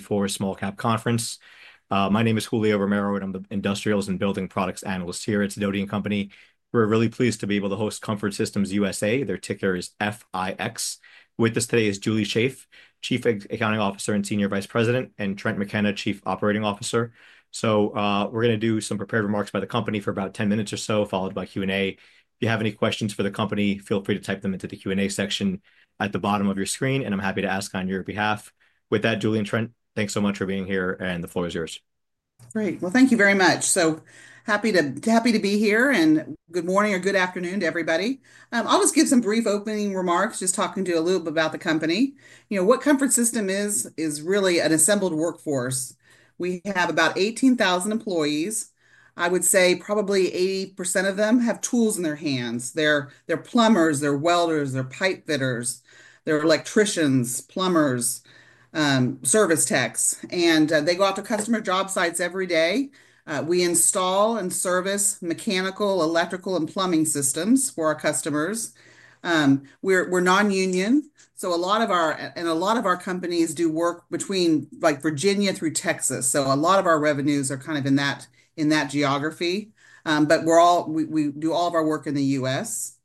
For a small cap conference. My name is Julio Romero, and I'm the industrials and building products analyst here at Sidoti & Company. We're really pleased to be able to host Comfort Systems USA. Their ticker is FIX. With us today is Julie Shaeff, Chief Accounting Officer and Senior Vice President, and Trent McKenna, Chief Operating Officer. So we're going to do some prepared remarks by the company for about 10 minutes or so, followed by Q&A. If you have any questions for the company, feel free to type them into the Q&A section at the bottom of your screen, and I'm happy to ask on your behalf. With that, Julie and Trent, thanks so much for being here, and the floor is yours. Great. Well, thank you very much. So happy to be here, and good morning or good afternoon to everybody. I'll just give some brief opening remarks, just talking to you a little bit about the company. You know what Comfort Systems is, is really an assembled workforce. We have about 18,000 employees. I would say probably 80% of them have tools in their hands. They're plumbers, they're welders, they're pipefitters, they're electricians, plumbers, service techs, and they go out to customer job sites every day. We install and service mechanical, electrical, and plumbing systems for our customers. We're non-union, so a lot of our companies do work between Virginia through Texas. So a lot of our revenues are kind of in that geography, but we do all of our work in the U.S.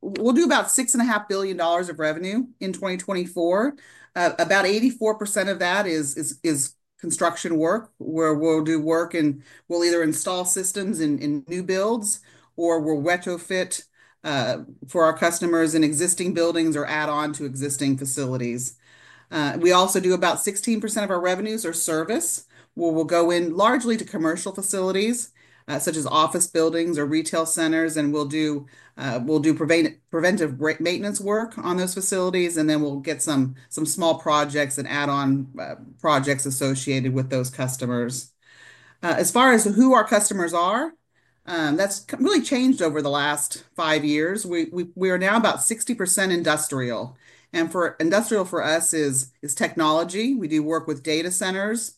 We'll do about $6.5 billion of revenue in 2024. About 84% of that is construction work, where we'll do work, and we'll either install systems in new builds or we'll retrofit for our customers in existing buildings or add on to existing facilities. We also do about 16% of our revenues are service. We'll go in largely to commercial facilities such as office buildings or retail centers, and we'll do preventive maintenance work on those facilities, and then we'll get some small projects and add on projects associated with those customers. As far as who our customers are, that's really changed over the last five years. We are now about 60% industrial, and industrial for us is technology. We do work with data centers,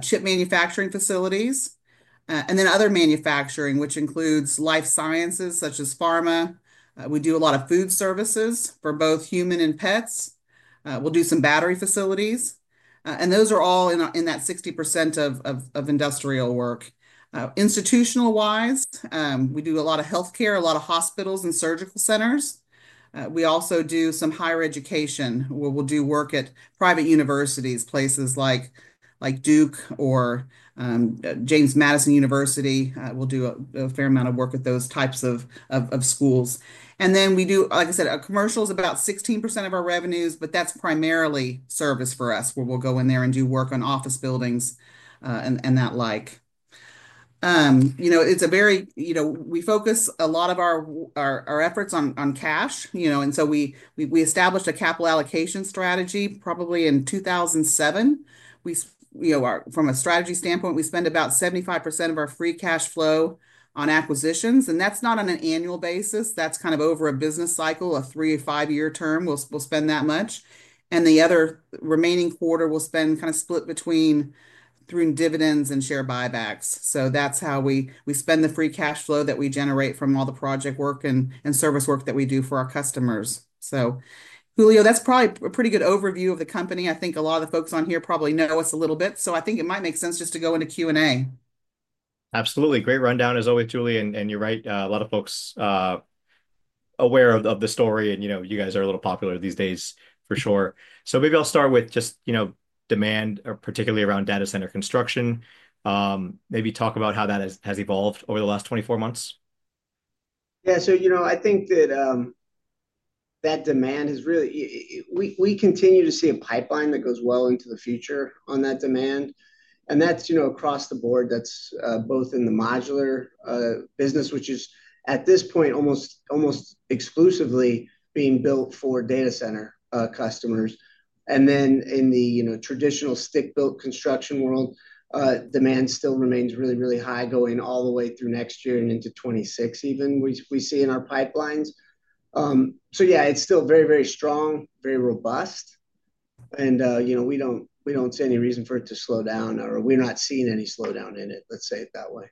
chip manufacturing facilities, and then other manufacturing, which includes life sciences such as pharma. We do a lot of food services for both human and pets. We'll do some battery facilities, and those are all in that 60% of industrial work. Institutional-wise, we do a lot of healthcare, a lot of hospitals and surgical centers. We also do some higher education. We'll do work at private universities, places like Duke or James Madison University. We'll do a fair amount of work with those types of schools. And then we do, like I said, commercial is about 16% of our revenues, but that's primarily service for us, where we'll go in there and do work on office buildings and that like. It's a very. We focus a lot of our efforts on cash, and so we established a capital allocation strategy probably in 2007. From a strategy standpoint, we spend about 75% of our free cash flow on acquisitions, and that's not on an annual basis. That's kind of over a business cycle, a three- or five-year term. We'll spend that much. And the other remaining quarter, we'll spend kind of split between through dividends and share buybacks. So that's how we spend the free cash flow that we generate from all the project work and service work that we do for our customers. So, Julio, that's probably a pretty good overview of the company. I think a lot of the folks on here probably know us a little bit, so I think it might make sense just to go into Q&A. Absolutely. Great rundown, as always, Julie, and you're right. A lot of folks are aware of the story, and you guys are a little popular these days, for sure, so maybe I'll start with just demand, particularly around data center construction. Maybe talk about how that has evolved over the last 24 months. Yeah, so you know I think that demand has really, we continue to see a pipeline that goes well into the future on that demand. And that's across the board. That's both in the modular business, which is at this point almost exclusively being built for data center customers. And then in the traditional stick-built construction world, demand still remains really, really high going all the way through next year and into 2026 even, we see in our pipelines. So yeah, it's still very, very strong, very robust, and we don't see any reason for it to slow down, or we're not seeing any slowdown in it, let's say it that way.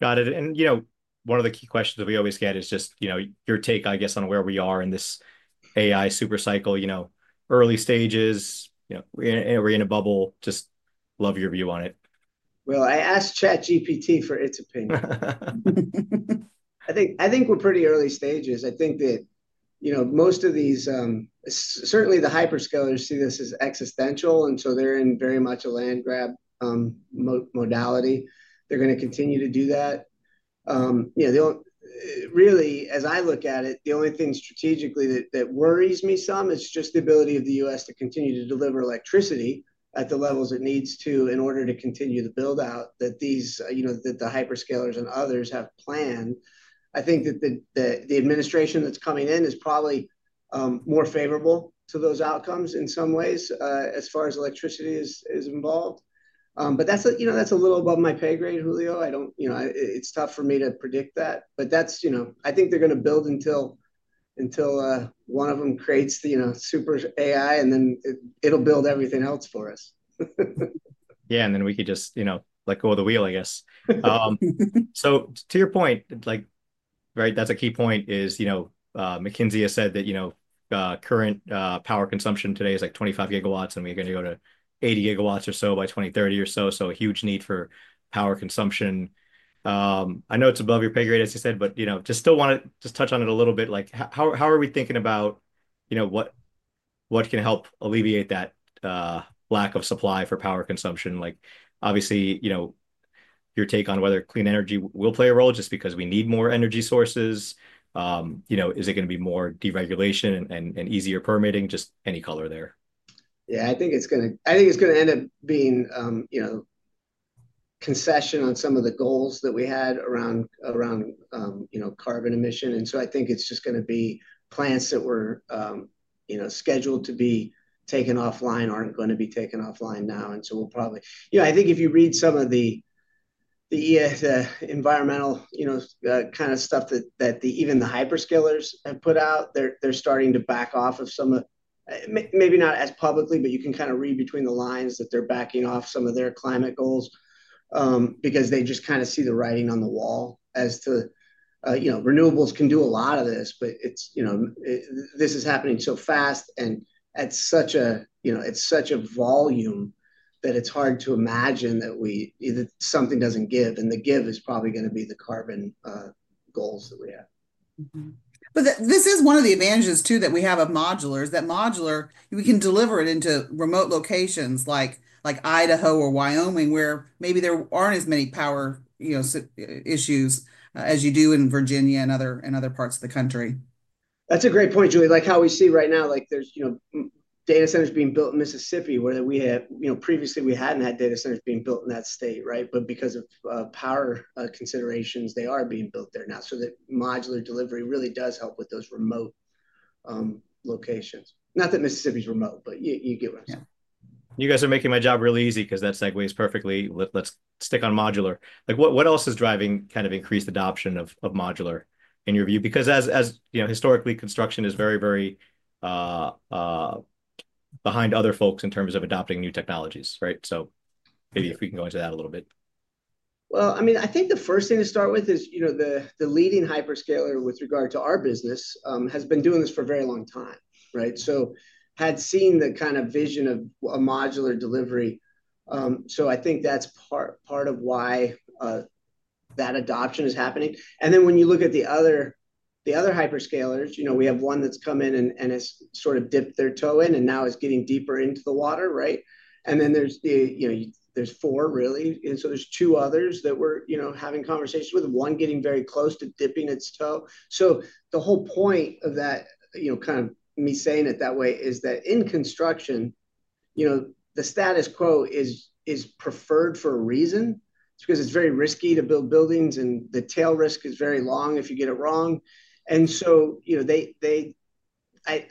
Got it. And one of the key questions that we always get is just your take, I guess, on where we are in this AI supercycle, early stages, we're in a bubble. Just love your view on it. I asked ChatGPT for its opinion. I think we're pretty early stages. I think that most of these, certainly the hyperscalers see this as existential, and so they're in very much a land-grab modality. They're going to continue to do that. Really, as I look at it, the only thing strategically that worries me some is just the ability of the U.S. to continue to deliver electricity at the levels it needs to in order to continue the build-out that the hyperscalers and others have planned. I think that the administration that's coming in is probably more favorable to those outcomes in some ways as far as electricity is involved. But that's a little above my pay grade, Julio. It's tough for me to predict that, but I think they're going to build until one of them creates the super AI, and then it'll build everything else for us. Yeah, and then we could just let go of the wheel, I guess. So to your point, that's a key point. McKinsey has said that current power consumption today is like 25 gigawatts, and we're going to go to 80 gigawatts or so by 2030 or so, so a huge need for power consumption. I know it's above your pay grade, as you said, but just still want to just touch on it a little bit. How are we thinking about what can help alleviate that lack of supply for power consumption? Obviously, your take on whether clean energy will play a role just because we need more energy sources. Is it going to be more deregulation and easier permitting? Just any color there. Yeah, I think it's going to end up being concession on some of the goals that we had around carbon emission. And so I think it's just going to be plants that were scheduled to be taken offline aren't going to be taken offline now. And so we'll probably. I think if you read some of the environmental kind of stuff that even the hyperscalers have put out, they're starting to back off of some of maybe not as publicly, but you can kind of read between the lines that they're backing off some of their climate goals because they just kind of see the writing on the wall as to renewables can do a lot of this, but this is happening so fast and at such a volume that it's hard to imagine that something doesn't give. And the give is probably going to be the carbon goals that we have. But this is one of the advantages too that we have of modular, is that modular, we can deliver it into remote locations like Idaho or Wyoming where maybe there aren't as many power issues as you do in Virginia and other parts of the country. That's a great point, Julie. Like how we see right now, there's data centers being built in Mississippi, where previously we hadn't had data centers being built in that state, right? But because of power considerations, they are being built there now. So that modular delivery really does help with those remote locations. Not that Mississippi's remote, but you get what I'm saying. You guys are making my job really easy because that segues perfectly. Let's stick on modular. What else is driving kind of increased adoption of modular in your view? Because historically, construction is very, very behind other folks in terms of adopting new technologies, right? So maybe if we can go into that a little bit. I mean, I think the first thing to start with is the leading hyperscaler with regard to our business has been doing this for a very long time, right? So had seen the kind of vision of a modular delivery. So I think that's part of why that adoption is happening. And then when you look at the other hyperscalers, we have one that's come in and has sort of dipped their toe in and now is getting deeper into the water, right? And then there's four, really. And so there's two others that we're having conversations with, one getting very close to dipping its toe. So the whole point of that, kind of me saying it that way, is that in construction, the status quo is preferred for a reason. It's because it's very risky to build buildings, and the tail risk is very long if you get it wrong. And so I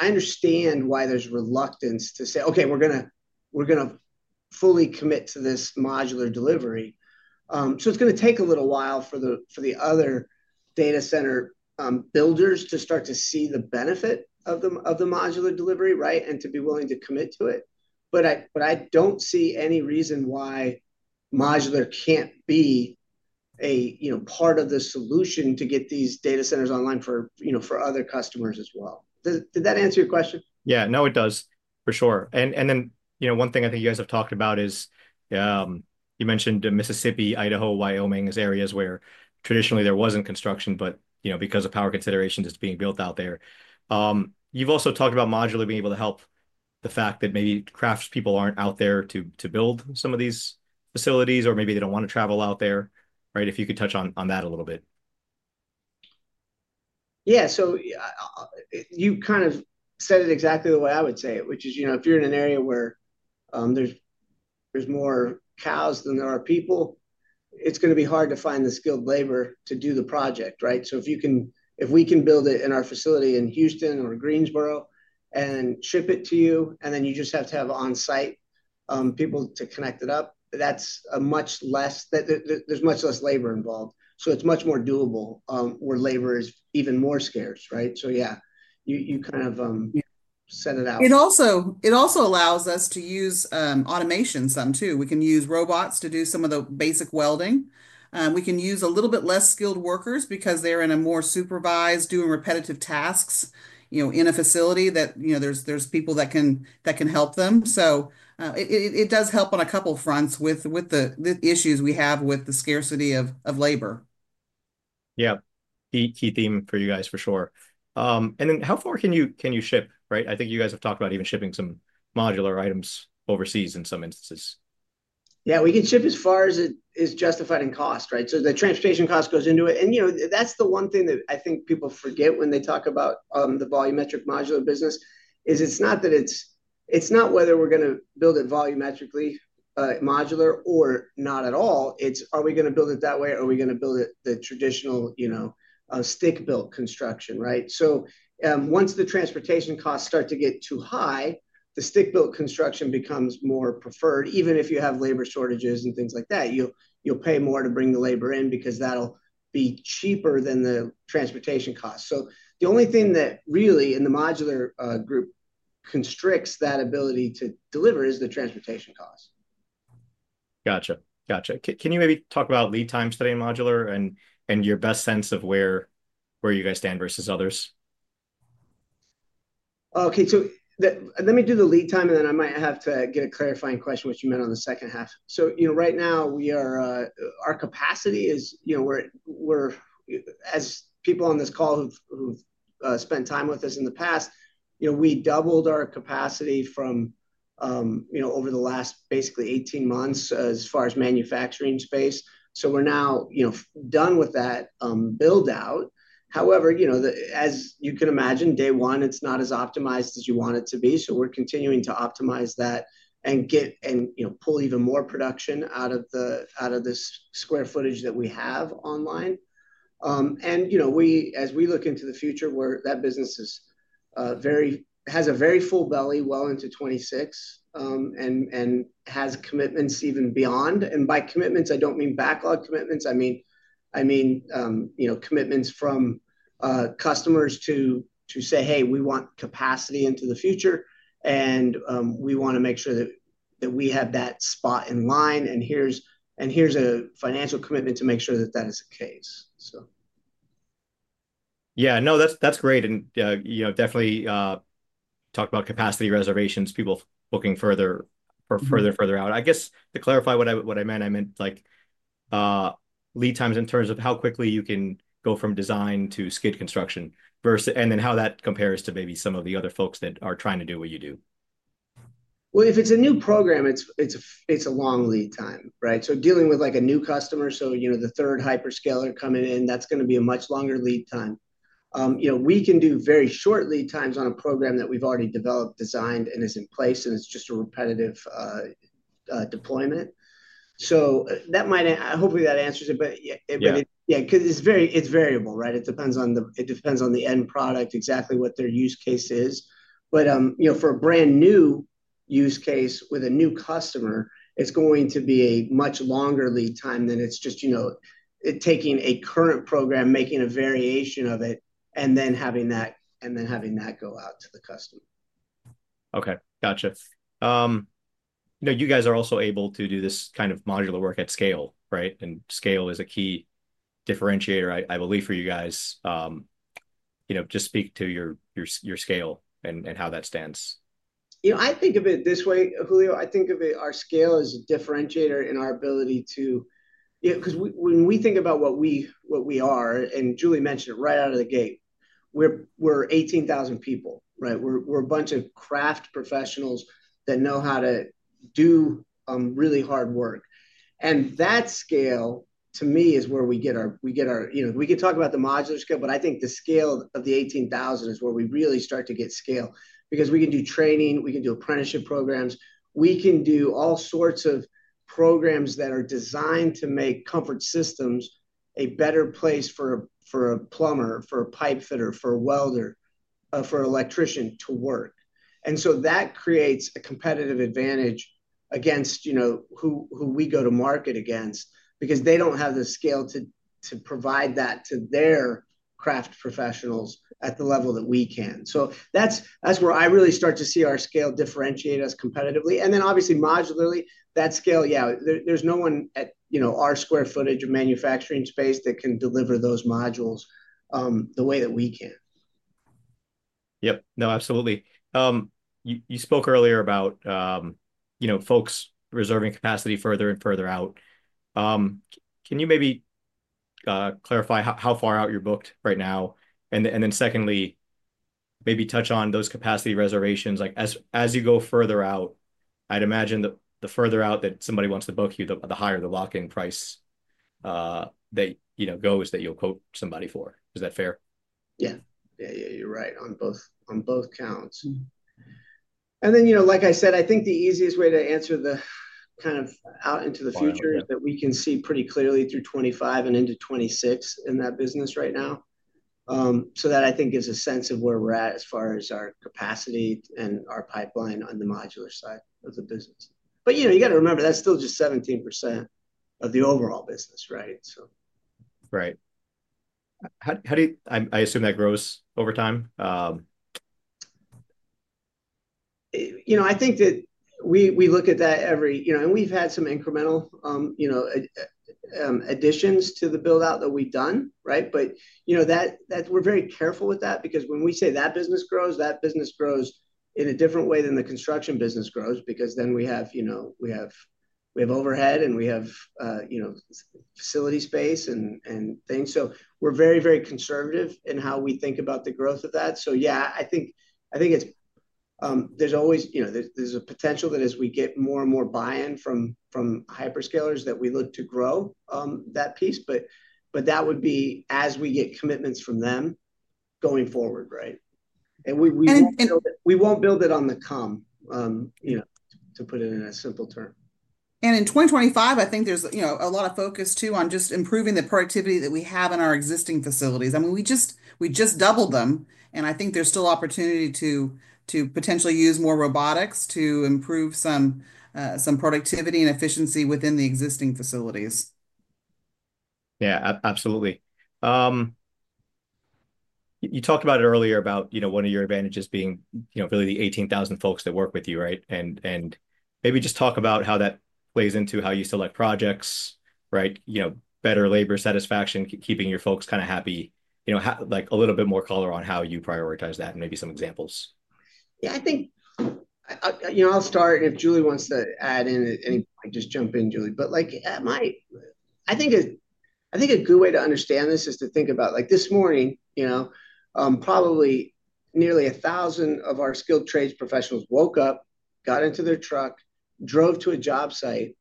understand why there's reluctance to say, "Okay, we're going to fully commit to this modular delivery." So it's going to take a little while for the other data center builders to start to see the benefit of the modular delivery, right, and to be willing to commit to it. But I don't see any reason why modular can't be a part of the solution to get these data centers online for other customers as well. Did that answer your question? Yeah, no, it does, for sure. And then one thing I think you guys have talked about is you mentioned Mississippi, Idaho, Wyoming as areas where traditionally there wasn't construction, but because of power considerations, it's being built out there. You've also talked about modular being able to help the fact that maybe craftspeople aren't out there to build some of these facilities, or maybe they don't want to travel out there, right? If you could touch on that a little bit. Yeah, so you kind of said it exactly the way I would say it, which is if you're in an area where there's more cows than there are people, it's going to be hard to find the skilled labor to do the project, right? So if we can build it in our facility in Houston or Greensboro and ship it to you, and then you just have to have on-site people to connect it up, that's a much less, there's much less labor involved. So it's much more doable where labor is even more scarce, right? So yeah, you kind of send it out. It also allows us to use automation some too. We can use robots to do some of the basic welding. We can use a little bit less skilled workers because they're in a more supervised, doing repetitive tasks in a facility that there's people that can help them. So it does help on a couple of fronts with the issues we have with the scarcity of labor. Yeah, key theme for you guys, for sure. And then how far can you ship, right? I think you guys have talked about even shipping some modular items overseas in some instances. Yeah, we can ship as far as it is justified in cost, right? So the transportation cost goes into it. And that's the one thing that I think people forget when they talk about the volumetric modular business is it's not that it's not whether we're going to build it volumetrically modular or not at all. It's are we going to build it that way or are we going to build it the traditional stick-built construction, right? So once the transportation costs start to get too high, the stick-built construction becomes more preferred, even if you have labor shortages and things like that. You'll pay more to bring the labor in because that'll be cheaper than the transportation cost. So the only thing that really in the modular group constricts that ability to deliver is the transportation cost. Gotcha. Gotcha. Can you maybe talk about lead time, studying modular, and your best sense of where you guys stand versus others? Okay, so let me do the lead time, and then I might have to get a clarifying question, which you meant on the second half. So right now, our capacity is, as people on this call who've spent time with us in the past, we doubled our capacity from over the last basically 18 months as far as manufacturing space. So we're now done with that build-out. However, as you can imagine, day one, it's not as optimized as you want it to be. So we're continuing to optimize that and pull even more production out of this square footage that we have online. And as we look into the future, that business has a very full belly well into 2026 and has commitments even beyond. And by commitments, I don't mean backlog commitments. I mean commitments from customers to say, "Hey, we want capacity into the future, and we want to make sure that we have that spot in line, and here's a financial commitment to make sure that that is the case," so. Yeah, no, that's great. And definitely talk about capacity reservations, people looking further out. I guess to clarify what I meant, I meant lead times in terms of how quickly you can go from design to skid construction and then how that compares to maybe some of the other folks that are trying to do what you do. Well, if it's a new program, it's a long lead time, right? So dealing with a new customer, so the third hyperscaler coming in, that's going to be a much longer lead time. We can do very short lead times on a program that we've already developed, designed, and is in place, and it's just a repetitive deployment. So hopefully that answers it, but yeah, because it's variable, right? It depends on the end product, exactly what their use case is. But for a brand new use case with a new customer, it's going to be a much longer lead time than it's just taking a current program, making a variation of it, and then having that go out to the customer. Okay. Gotcha. You guys are also able to do this kind of modular work at scale, right? And scale is a key differentiator, I believe, for you guys. Just speak to your scale and how that stands. I think of it this way, Julio. I think of our scale as a differentiator in our ability to, because when we think about what we are, and Julie mentioned it right out of the gate, we're 18,000 people, right? We're a bunch of craft professionals that know how to do really hard work. And that scale, to me, is where we get our, we can talk about the modular scale, but I think the scale of the 18,000 is where we really start to get scale because we can do training, we can do apprenticeship programs, we can do all sorts of programs that are designed to make Comfort Systems a better place for a plumber, for a pipefitter, for a welder, for an electrician to work. And so that creates a competitive advantage against who we go to market against because they don't have the scale to provide that to their craft professionals at the level that we can. So that's where I really start to see our scale differentiate us competitively. And then obviously, modularly, that scale, yeah, there's no one at our square footage of manufacturing space that can deliver those modules the way that we can. Yep. No, absolutely. You spoke earlier about folks reserving capacity further and further out. Can you maybe clarify how far out you're booked right now? And then secondly, maybe touch on those capacity reservations. As you go further out, I'd imagine the further out that somebody wants to book you, the higher the lock-in price that goes that you'll quote somebody for. Is that fair? Yeah. Yeah, yeah. You're right on both counts. And then, like I said, I think the easiest way to answer the kind of out into the future is that we can see pretty clearly through 2025 and into 2026 in that business right now. So that, I think, gives a sense of where we're at as far as our capacity and our pipeline on the modular side of the business. But you got to remember, that's still just 17% of the overall business, right? So. Right. I assume that grows over time. I think that we look at that every, and we've had some incremental additions to the build-out that we've done, right? But we're very careful with that because when we say that business grows, that business grows in a different way than the construction business grows because then we have overhead and we have facility space and things. So we're very, very conservative in how we think about the growth of that. So yeah, I think there's always, there's a potential that as we get more and more buy-in from hyperscalers that we look to grow that piece. But that would be as we get commitments from them going forward, right? And we won't build it on the come, to put it in a simple term. And in 2025, I think there's a lot of focus too on just improving the productivity that we have in our existing facilities. I mean, we just doubled them, and I think there's still opportunity to potentially use more robotics to improve some productivity and efficiency within the existing facilities. Yeah, absolutely. You talked about it earlier about one of your advantages being really the 18,000 folks that work with you, right? And maybe just talk about how that plays into how you select projects, right? Better labor satisfaction, keeping your folks kind of happy, a little bit more color on how you prioritize that and maybe some examples. Yeah, I think I'll start. If Julie wants to add in, I can just jump in, Julie. But I think a good way to understand this is to think about this morning, probably nearly 1,000 of our skilled trades professionals woke up, got into their truck, drove to a job site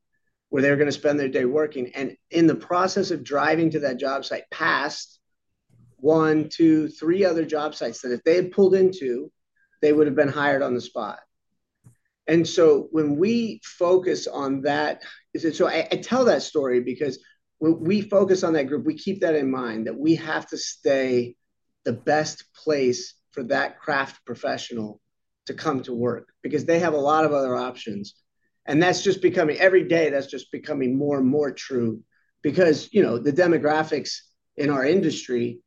where they were going to spend their day working, and in the process of driving to that job site passed one, two, three other job sites that if they had pulled into, they would have been hired on the spot. And so when we focus on that, so I tell that story because when we focus on that group, we keep that in mind that we have to stay the best place for that craft professional to come to work because they have a lot of other options. And that's just becoming, every day, that's just becoming more and more true because the demographics in our industry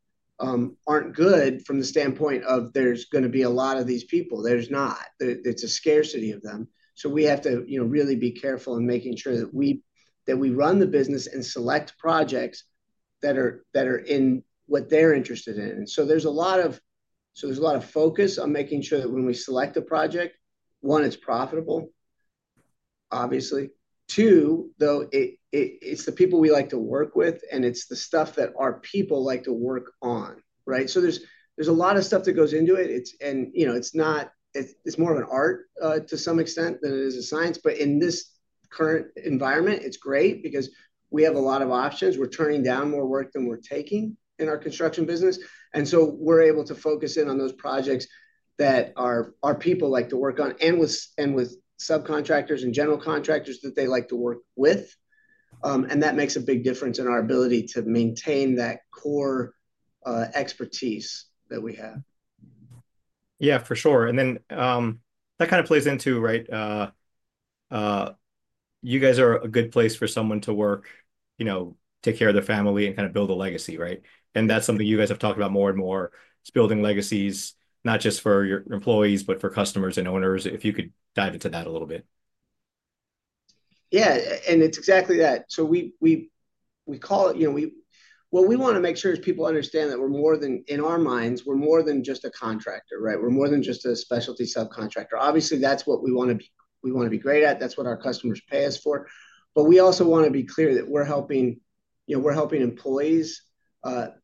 aren't good from the standpoint of there's going to be a lot of these people. There's not. It's a scarcity of them. So we have to really be careful in making sure that we run the business and select projects that are in what they're interested in. And so there's a lot of, so there's a lot of focus on making sure that when we select a project, one, it's profitable, obviously. Two, though, it's the people we like to work with, and it's the stuff that our people like to work on, right? So there's a lot of stuff that goes into it. And it's more of an art to some extent than it is a science. But in this current environment, it's great because we have a lot of options. We're turning down more work than we're taking in our construction business, and so we're able to focus in on those projects that our people like to work on and with subcontractors and general contractors that they like to work with, and that makes a big difference in our ability to maintain that core expertise that we have. Yeah, for sure. And then that kind of plays into, right? You guys are a good place for someone to work, take care of their family, and kind of build a legacy, right? And that's something you guys have talked about more and more. It's building legacies, not just for your employees, but for customers and owners. If you could dive into that a little bit. Yeah. And it's exactly that. So we call it—what we want to make sure is people understand that we're more than—in our minds, we're more than just a contractor, right? We're more than just a specialty subcontractor. Obviously, that's what we want to be—we want to be great at. That's what our customers pay us for. But we also want to be clear that we're helping employees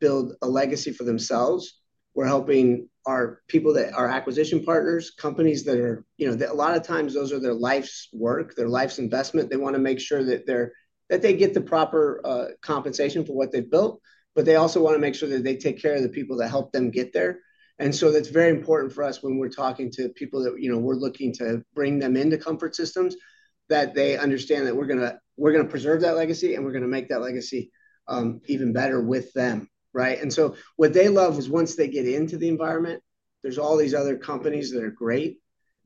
build a legacy for themselves. We're helping our people that are acquisition partners, companies that are—a lot of times, those are their life's work, their life's investment. They want to make sure that they get the proper compensation for what they've built. But they also want to make sure that they take care of the people that helped them get there. And so that's very important for us when we're talking to people that we're looking to bring them into Comfort Systems, that they understand that we're going to preserve that legacy and we're going to make that legacy even better with them, right? And so what they love is once they get into the environment, there's all these other companies that are great.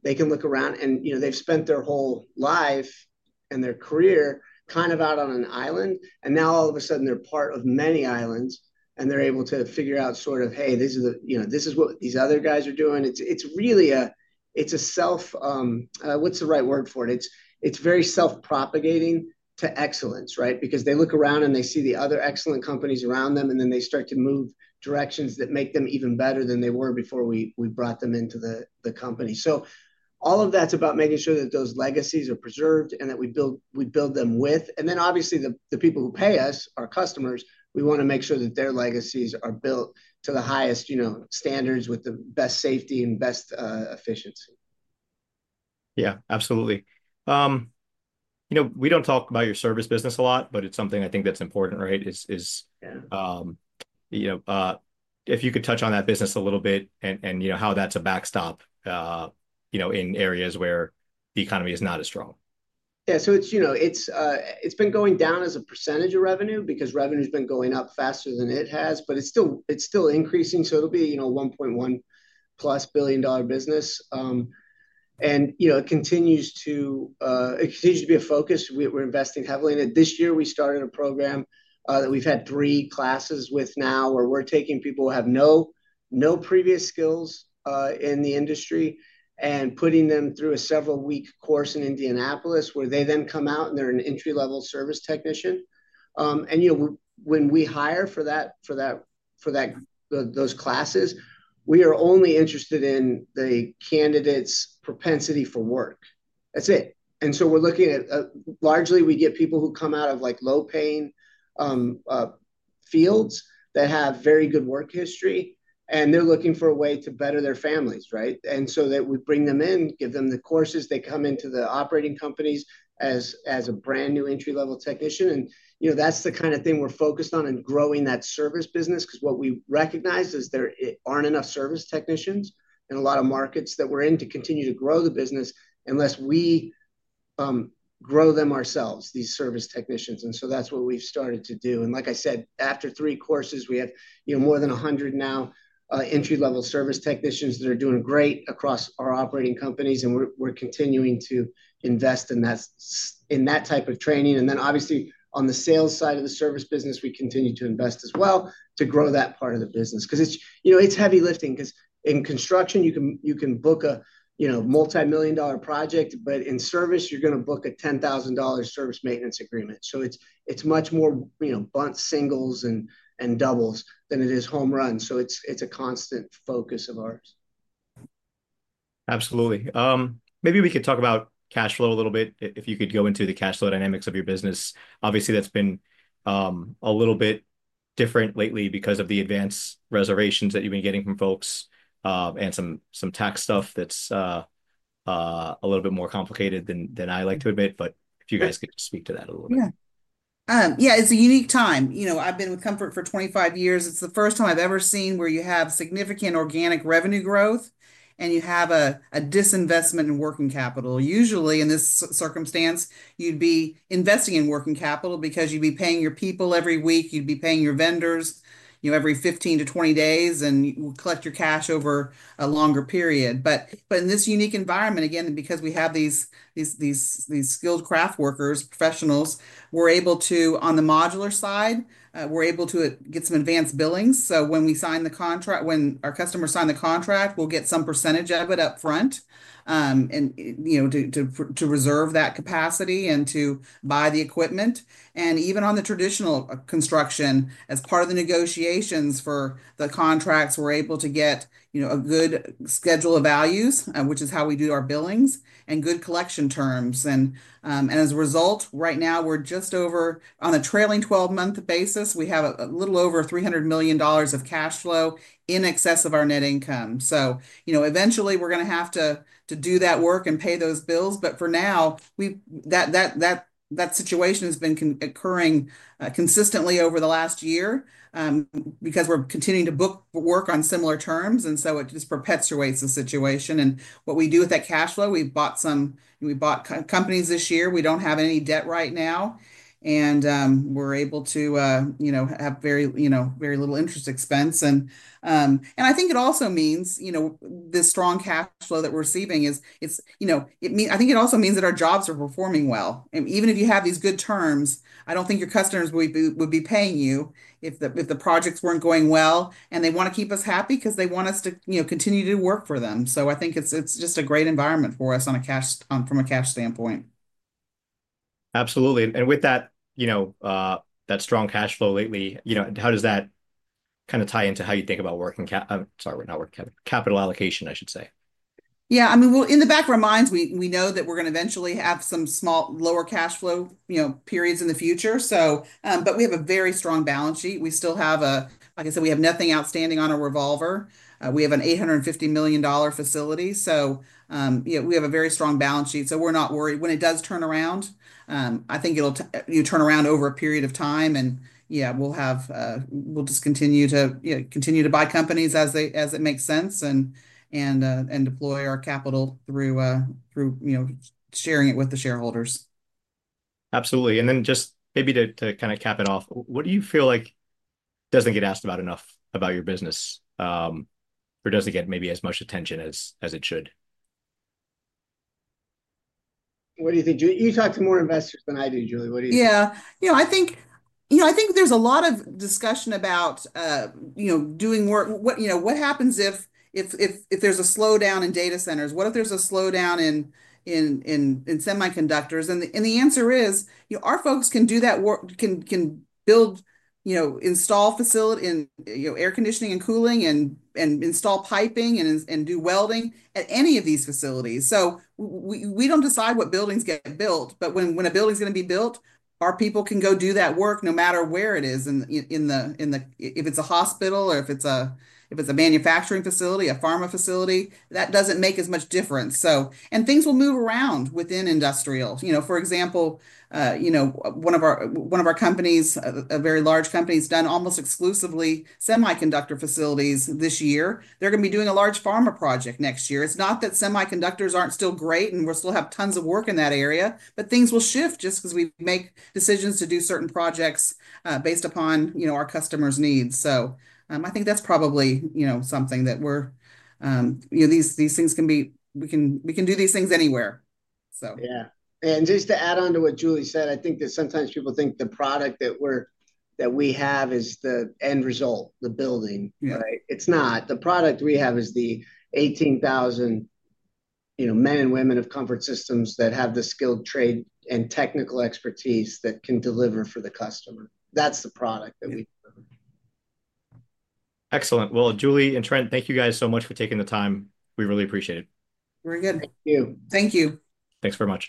They can look around, and they've spent their whole life and their career kind of out on an island. And now, all of a sudden, they're part of many islands, and they're able to figure out sort of, "Hey, this is what these other guys are doing." It's really a-it's a self-what's the right word for it? It's very self-propagating to excellence, right? Because they look around and they see the other excellent companies around them, and then they start to move directions that make them even better than they were before we brought them into the company. So all of that's about making sure that those legacies are preserved and that we build them with. And then, obviously, the people who pay us, our customers, we want to make sure that their legacies are built to the highest standards with the best safety and best efficiency. Yeah, absolutely. We don't talk about your service business a lot, but it's something I think that's important, right? If you could touch on that business a little bit and how that's a backstop in areas where the economy is not as strong. Yeah. So it's been going down as a percentage of revenue because revenue has been going up faster than it has, but it's still increasing. So it'll be a $1.1-plus billion-dollar business. It continues to be a focus. We're investing heavily in it. This year, we started a program that we've had three classes with now where we're taking people who have no previous skills in the industry and putting them through a several-week course in Indianapolis where they then come out and they're an entry-level service technician. When we hire for those classes, we are only interested in the candidate's propensity for work. That's it. We're looking at largely, we get people who come out of low-paying fields that have very good work history, and they're looking for a way to better their families, right? And so, we bring them in, give them the courses. They come into the operating companies as a brand new entry-level technician. That's the kind of thing we're focused on in growing that service business because what we recognize is there aren't enough service technicians in a lot of markets that we're in to continue to grow the business unless we grow them ourselves, these service technicians. So that's what we've started to do. And like I said, after three courses, we have more than 100 now entry-level service technicians that are doing great across our operating companies, and we're continuing to invest in that type of training. Then, obviously, on the sales side of the service business, we continue to invest as well to grow that part of the business because it's heavy lifting. Because in construction, you can book a multi-million-dollar project, but in service, you're going to book a $10,000 service maintenance agreement. So it's much more bunt singles and doubles than it is home runs. So it's a constant focus of ours. Absolutely. Maybe we could talk about cash flow a little bit if you could go into the cash flow dynamics of your business. Obviously, that's been a little bit different lately because of the advance reservations that you've been getting from folks and some tax stuff that's a little bit more complicated than I like to admit. But if you guys could speak to that a little bit. Yeah. Yeah. It's a unique time. I've been with Comfort for 25 years. It's the first time I've ever seen where you have significant organic revenue growth and you have a disinvestment in working capital. Usually, in this circumstance, you'd be investing in working capital because you'd be paying your people every week. You'd be paying your vendors every 15-20 days, and you would collect your cash over a longer period. But in this unique environment, again, because we have these skilled craft workers, professionals, we're able to, on the modular side, we're able to get some advanced billings. So when we sign the contract, when our customers sign the contract, we'll get some percentage of it upfront to reserve that capacity and to buy the equipment. And even on the traditional construction, as part of the negotiations for the contracts, we're able to get a good schedule of values, which is how we do our billings, and good collection terms. And as a result, right now, we're just over, on a trailing 12-month basis, we have a little over $300 million of cash flow in excess of our net income. So eventually, we're going to have to do that work and pay those bills. But for now, that situation has been occurring consistently over the last year because we're continuing to book work on similar terms. And so it just perpetuates the situation. And what we do with that cash flow, we bought some companies this year. We don't have any debt right now, and we're able to have very little interest expense. I think it also means that this strong cash flow that we're receiving means that our jobs are performing well. Even if you have these good terms, I don't think your customers would be paying you if the projects weren't going well. They want to keep us happy because they want us to continue to work for them. I think it's just a great environment for us from a cash standpoint. Absolutely. And with that strong cash flow lately, how does that kind of tie into how you think about working, sorry, not working, capital allocation, I should say. Yeah. I mean, well, in the back of our minds, we know that we're going to eventually have some lower cash flow periods in the future. But we have a very strong balance sheet. We still have a—like I said, we have nothing outstanding on a revolver. We have an $850 million facility. So we have a very strong balance sheet. So we're not worried. When it does turn around, I think it'll turn around over a period of time. And yeah, we'll just continue to buy companies as it makes sense and deploy our capital through sharing it with the shareholders. Absolutely. And then just maybe to kind of cap it off, what do you feel like doesn't get asked about enough about your business or doesn't get maybe as much attention as it should? What do you think? You talk to more investors than I do, Julie. What do you think? Yeah. I think there's a lot of discussion about doing work. What happens if there's a slowdown in data centers? What if there's a slowdown in semiconductors? And the answer is our folks can do that work, can build, install air conditioning and cooling, and install piping, and do welding at any of these facilities. So we don't decide what buildings get built. But when a building's going to be built, our people can go do that work no matter where it is. And if it's a hospital or if it's a manufacturing facility, a pharma facility, that doesn't make as much difference. And things will move around within industrial. For example, one of our companies, a very large company, has done almost exclusively semiconductor facilities this year. They're going to be doing a large pharma project next year. It's not that semiconductors aren't still great and we'll still have tons of work in that area, but things will shift just because we make decisions to do certain projects based upon our customers' needs. So I think that's probably something that we can do these things anywhere, so. Yeah. And just to add on to what Julie said, I think that sometimes people think the product that we have is the end result, the building, right? It's not. The product we have is the 18,000 men and women of Comfort Systems that have the skilled trade and technical expertise that can deliver for the customer. That's the product that we deliver. Excellent. Well, Julie and Trent, thank you guys so much for taking the time. We really appreciate it. Very good. Thank you. Thank you. Thanks very much.